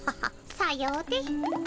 さようで。